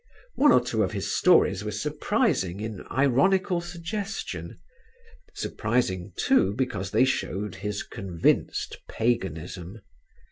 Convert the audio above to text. One or two of his stories were surprising in ironical suggestion; surprising too because they showed his convinced paganism.